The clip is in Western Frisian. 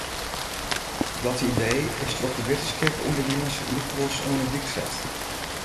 Dat idee is troch de wittenskip ûnderwilens lykwols oan ’e dyk set.